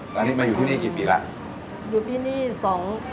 เรามาอยู่ที่นี้กี่ปีแล้ว